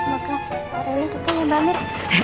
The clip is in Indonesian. semoga reina suka ya mbak mir